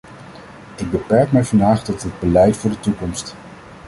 Ik beperk mij vandaag tot het beleid voor de toekomst.